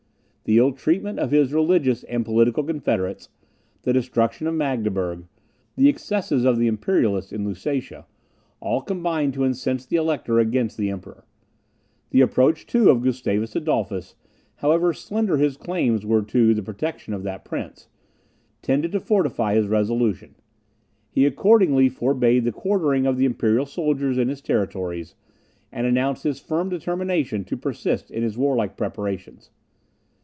The ill treatment of his religious and political confederates, the destruction of Magdeburg, the excesses of the Imperialists in Lusatia, all combined to incense the Elector against the Emperor. The approach, too, of Gustavus Adolphus, (however slender his claims were to the protection of that prince,) tended to fortify his resolution. He accordingly forbade the quartering of the imperial soldiers in his territories, and announced his firm determination to persist in his warlike preparations.